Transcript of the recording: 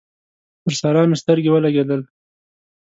پر سارا مې سترګې ولګېدل